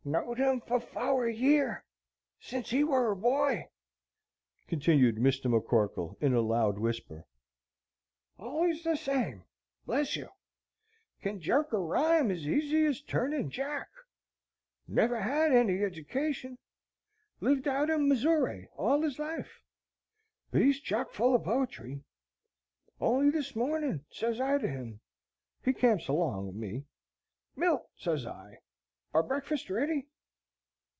"Knowed him for fower year, since he war a boy," continued Mr. McCorkle in a loud whisper. "Allers the same, bless you! Can jerk a rhyme as easy as turnin' jack. Never had any eddication; lived out in Missooray all his life. But he's chock full o' poetry. On'y this mornin' sez I to him, he camps along o' me, 'Milt!' sez I, 'are breakfast ready?'